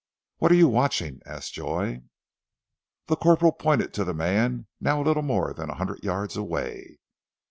"What are you watching?" asked Joy. The corporal pointed to the man, now little more than a hundred yards away.